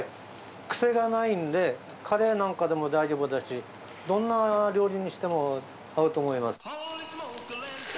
クセがないんでカレーなんかでも大丈夫だしどんな料理にしても合うと思います。